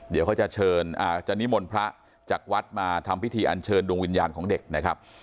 เดี๋ยวเขาจะเชิญจะนิมนต์พระจากวัดมาทำพิธีอันเชิญดวงวิญญาณของเด็กนะครับ